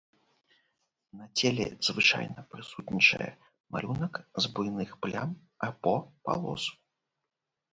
На целе звычайна прысутнічае малюнак з буйных плям або палос.